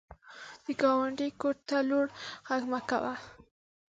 د ګاونډي کور ته لوړ غږ مه کوه